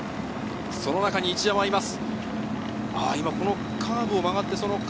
その中に一山はいます。